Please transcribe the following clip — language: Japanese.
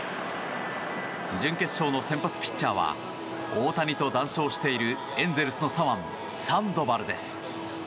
準決勝の先発ピッチャーは大谷と談笑しているエンゼルスの左腕サンドバルです。